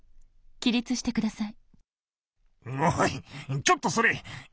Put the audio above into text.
起立して下さい。